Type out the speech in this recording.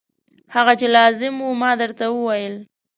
هغه چې لازم و ما درته وویل.